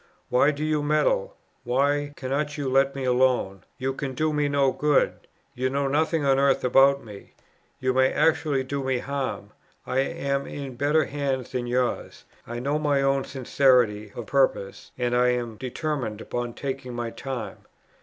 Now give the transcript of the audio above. "Why do you meddle? why cannot you let me alone? You can do me no good; you know nothing on earth about me; you may actually do me harm; I am in better hands than yours. I know my own sincerity of purpose; and I am determined upon taking my time."